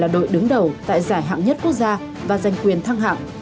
đội đứng đầu tại giải hạng nhất quốc gia và giành quyền thăng hạng